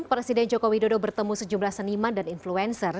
presiden joko widodo bertemu sejumlah seniman dan influencer